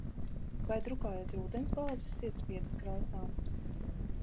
Vai drukājat ar ūdensbāzes sietspiedes krāsām?